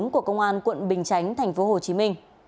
của công an quận bình chánh tp hcm